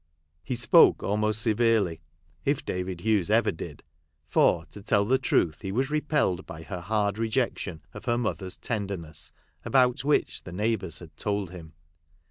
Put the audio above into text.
He spoke almost severely (if David Hughes ever did) ; for, to tell the truth, he was repelled by her hard rejection of her mother's tenderness, about which the neighbours had told him.